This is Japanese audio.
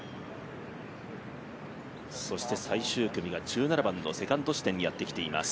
最終組が１７番のセカンド地点にやってきています。